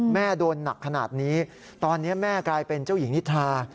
โดนหนักขนาดนี้ตอนนี้แม่กลายเป็นเจ้าหญิงนิทรา